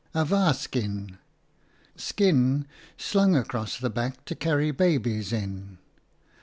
Awa skin, skin slung across the back to carry babies in.